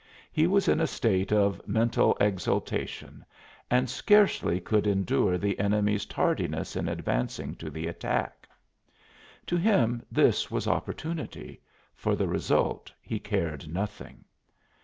He was in a state of mental exaltation and scarcely could endure the enemy's tardiness in advancing to the attack. To him this was opportunity for the result he cared nothing.